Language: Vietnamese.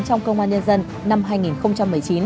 trong công an nhân dân năm hai nghìn một mươi chín